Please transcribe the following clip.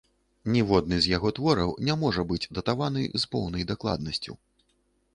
Ніводны з яго твораў не можа быць датаваны з поўнай дакладнасцю.